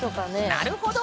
なるほど！